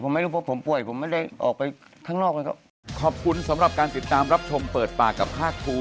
ช่วงไหนผมไม่รู้